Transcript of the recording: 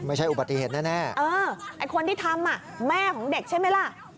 ไม่ใช่อุบัติเหตุแน่เออไอ้คนที่ทำแม่ของเด็กใช่ไหมล่ะ